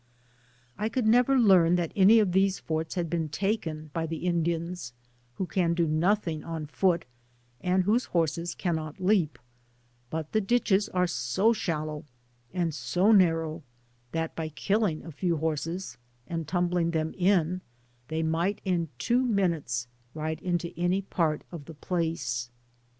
I could never learn that any of these forts had been taken by the Indians, who can do nothing on foot, and whose horses cannot leap ; but the ditches are so shallow and so narrow, that by killing a few Digitized byGoogk THB PAMPAS. 103 horses, and tiunbling them in, they might in two minutes ride into any part of the place.